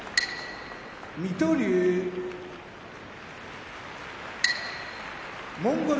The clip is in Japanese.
水戸龍モンゴル